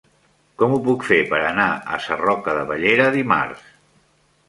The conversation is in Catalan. Com ho puc fer per anar a Sarroca de Bellera dimarts?